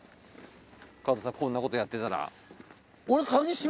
加藤さんこんなことやってたら。